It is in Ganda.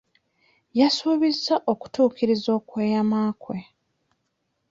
Yasuubizza okutuukiriza okweyama kwe.